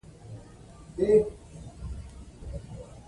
اخلاق د ټولنې د پرمختګ او ګډ ژوند لپاره بنسټیز اهمیت لري.